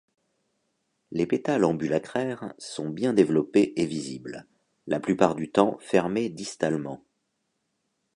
Les pétales ambulacraires sont bien développés et visibles, la plupart du temps fermés distalement.